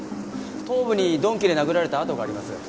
頭部に鈍器で殴られた痕があります。